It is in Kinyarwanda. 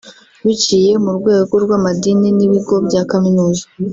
Biciye mu rwego rw’amadini n’ ibigo bya Kaminuza